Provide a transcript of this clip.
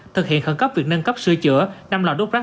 thực hiện khẩn cấp việc nâng cấp sửa chữa năm lò đốt rác